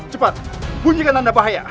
cepat bunyikan tanda bahaya